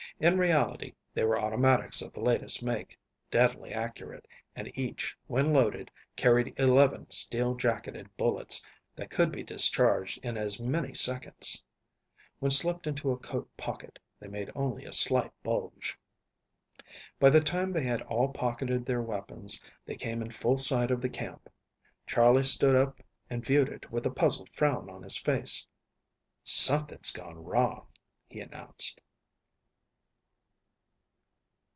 In reality they were automatics of the latest make, deadly accurate, and each, when loaded, carried 11 steel jacketed bullets, that could be discharged in as many seconds. When slipped into a coat pocket they made only a slight bulge. By the time they had all pocketed their weapons they came in full sight of the camp. Charley stood up and viewed it with a puzzled frown on his face. "Something's gone wrong," he announced.